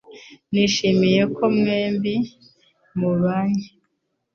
Nishimiye ko mwembi mubanye